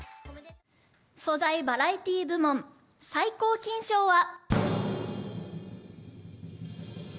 素材バラエティ部門、最高金賞は。